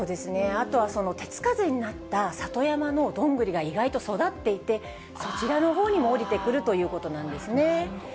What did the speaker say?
あとは、手つかずになった里山のドングリが意外と育っていて、そちらのほうにも下りてくるということなんですね。